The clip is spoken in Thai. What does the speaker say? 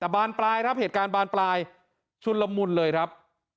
แต่บานปลายครับเหตุการณ์บานปลายชุนละมุนเลยครับ